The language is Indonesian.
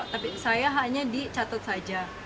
tapi saya hanya dicatut saja